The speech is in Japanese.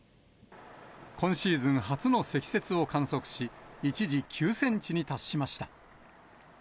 今シーズン初の積雪を観測し、一時９センチに達しました。